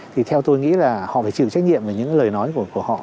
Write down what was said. thì theo tôi nghĩ là họ phải chịu trách nhiệm về những lời nói của họ